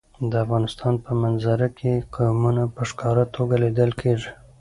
د افغانستان په منظره کې قومونه په ښکاره توګه لیدل کېږي.